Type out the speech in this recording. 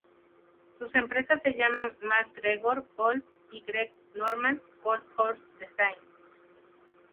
Sus empresas se llaman MacGregor Golf y Greg Norman Golf Course Design.